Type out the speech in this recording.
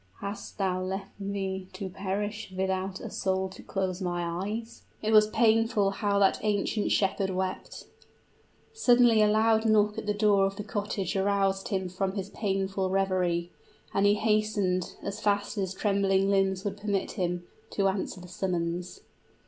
hast thou left me to perish without a soul to close my eyes?" It was painful how that ancient shepherd wept. Suddenly a loud knock at the door of the cottage aroused him from his painful reverie; and he hastened, as fast as his trembling limbs would permit him, to answer the summons.